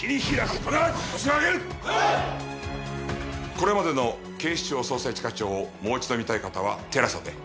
これまでの『警視庁・捜査一課長』をもう一度見たい方はＴＥＬＡＳＡで。